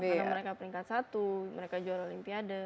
karena mereka peringkat satu mereka jual olimpiade